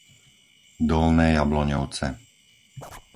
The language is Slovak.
Dolné Jabloňovce